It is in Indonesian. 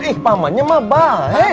ih pamannya mah baik